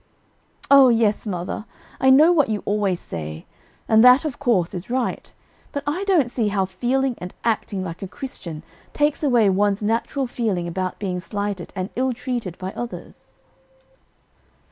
"Oh, yes, mother, I know what you always say, and that, of course, is right; but I don't see how feeling and acting like a Christian takes away one's natural feeling about being slighted and ill treated by others."